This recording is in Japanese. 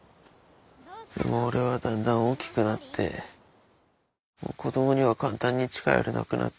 でも俺はだんだん大きくなってもう子供には簡単に近寄れなくなって。